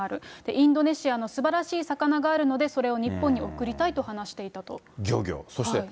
インドネシアのすばらしい魚があるのでそれを日本に送りたいと話していたと。